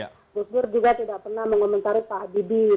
pak gusdur juga tidak pernah mengomentari pak habibie